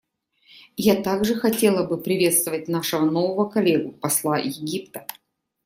Я также хотела бы приветствовать нашего нового коллегу — посла Египта.